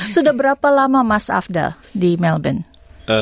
sudah berapa lama mas afdal di melbourne